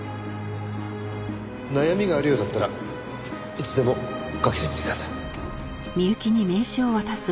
悩みがあるようだったらいつでもかけてみてください。